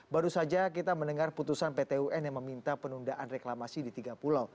baru saja kita mendengar putusan pt un yang meminta penundaan reklamasi di tiga pulau